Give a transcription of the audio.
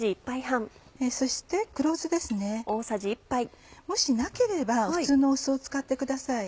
そして黒酢ですね。もしなければ普通の酢を使ってください。